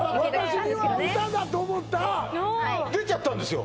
私には歌だと思ったら出ちゃったんですよ